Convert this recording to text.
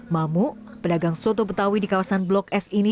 mamuk pedagang soto betawi di kawasan blok s ini